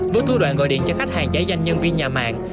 với thủ đoạn gọi điện cho khách hàng trái danh nhân viên nhà mạng